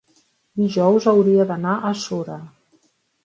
dijous hauria d'anar a Sora.